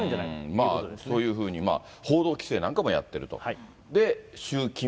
まあ、そういうふうに、報道規制なんかもやってると。